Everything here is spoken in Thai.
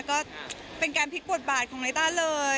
ก็เป็นการพลิกบทบาทของลิต้าเลย